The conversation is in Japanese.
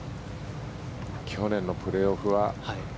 去年のプレーオフは。